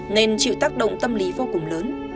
nên chịu tác động tâm lý vô cùng lớn